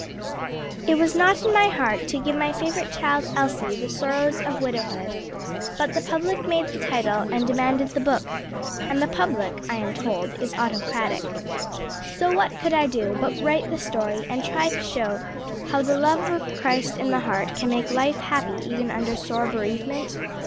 It was not in my heart to give to my favorite child, Elsie, the sorrows of Widowhood. But the public made the title and demanded the book; and the public, I am told, is autocratic. So what could I do but write the story and try to show how the love of Christ in the heart can make life happy even under sore bereavement?